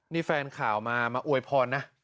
นี่แฟนข่าวมามาอวยพรนะ